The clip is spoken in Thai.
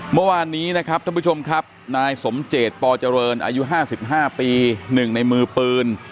เมื่อวานนี้นะครับท่านผู้ชมครับนายสมเจตปเจริญอายุ๕๕ปี๑ในมือปืน